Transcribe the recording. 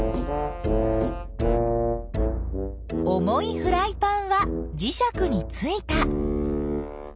重いフライパンはじしゃくについた。